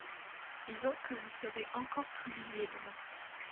Disons que vous serez encore plus liée demain.